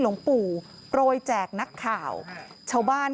เพราะทนายอันนันชายเดชาบอกว่าจะเป็นการเอาคืนยังไง